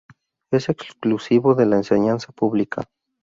Es exclusivo de la enseñanza pública.